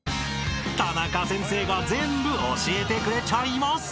［タナカ先生が全部教えてくれちゃいます］